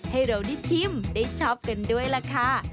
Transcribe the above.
ให้เราได้ชิมได้ช็อปกันด้วยล่ะค่ะ